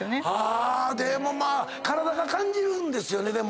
でも体が感じるんですよね。